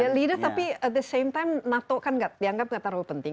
ya leader tapi at the same time nato kan dianggap nggak terlalu penting